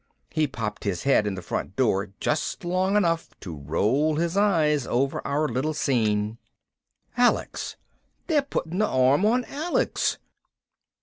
He popped his head in the front door just long enough to roll his eyes over our little scene. "Alex ... they're puttin' the arm on Alex!"